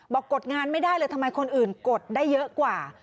กดงานไม่ได้เลยทำไมคนอื่นกดได้เยอะกว่า